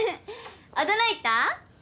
驚いた？